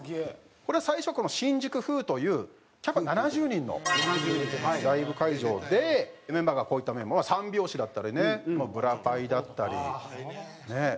これは最初新宿Ｆｕ−というキャパ７０人のライブ会場でメンバーがこういった三拍子だったりねブラパイだったりねえ。